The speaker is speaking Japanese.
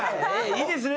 いいですね。